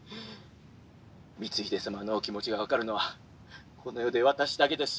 光秀様のお気持ちが分かるのはこの世で私だけです。